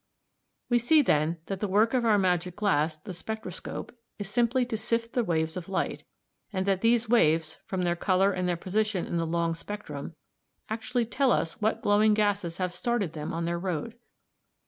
] "We see, then, that the work of our magic glass, the spectroscope, is simply to sift the waves of light, and that these waves, from their colour and their position in the long spectrum, actually tell us what glowing gases have started them on their road.